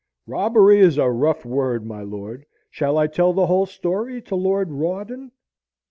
"Robbery is a rough word, my lord. Shall I tell the whole story to Lord Rawdon?"